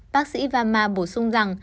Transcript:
bác sĩ varma bổ sung rằng